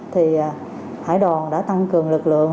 thì hải đoàn đã tăng cường lực lượng